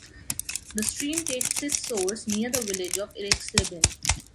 The stream takes its source near the village of Irxleben.